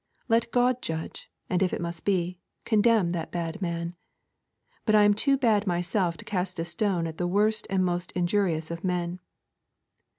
Let God judge, and if it must be, condemn that bad man. But I am too bad myself to cast a stone at the worst and most injurious of men.